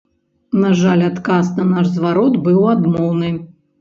На жаль адказ на наш зварот быў адмоўны.